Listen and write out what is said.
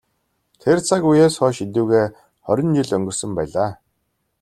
Тэр цаг үеэс хойш эдүгээ хорин жил өнгөрсөн байлаа.